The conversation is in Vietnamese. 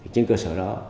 trên cơ sở đó